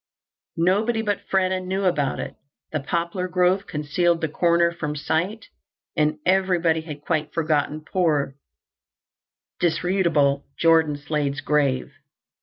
Nobody but Freda knew about it. The poplar growth concealed the corner from sight, and everybody had quite forgotten poor, disreputable Jordan Slade's grave.